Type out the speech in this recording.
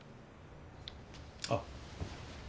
あっ。